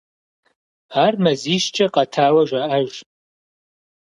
Ар мазищкӏэ къэтауэ жаӏэж.